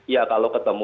ya kalau ketemu